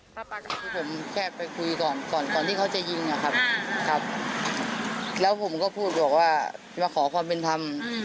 ผมแค่ไปคุยก่อนที่เขาจะยิงนะครับแล้วผมก็พูดว่ามาขอความเป็นธรรม